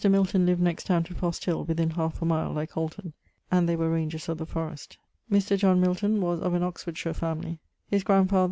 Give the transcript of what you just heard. Milton lived next towne to Fosthill within half a mile like [Holton], and they were raungers of the forest. Mr. John Milton was of an Oxfordshire familie. His grandfather